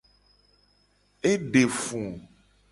E de fu.